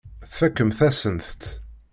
Tfakemt-asent-tt.